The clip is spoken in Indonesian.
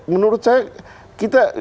menurut saya kita